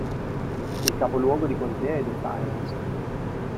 Il capoluogo di contea è Defiance.